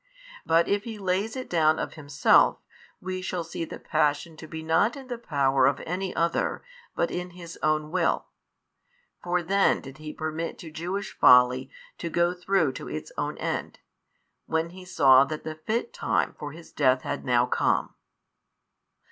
But if He lays it down of Himself, we shall see the Passion to be not in the Power of any other but in His own Will. For then did He permit to Jewish folly to go through to its own end, when He saw that the fit time for His Death had now come.